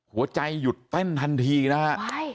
หัวใจหยุดเต้นทันทีนะฮะ